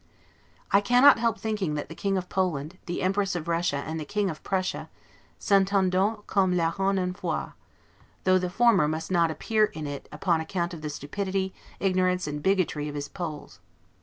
I cannot help thinking that the King of Poland, the Empress of Russia, and the King of Prussia, 's'entendent comme larrons en foire', though the former must not appear in it upon account of the stupidity, ignorance, and bigotry of his Poles.